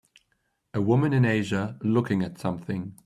A woman in Asia looking at something.